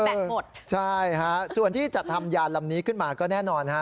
หมดใช่ฮะส่วนที่จัดทำยานลำนี้ขึ้นมาก็แน่นอนฮะ